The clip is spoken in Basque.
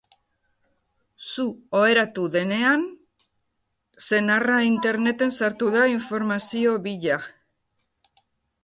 Zu oheratu denean, senarra Interneten sartu da informazio bila.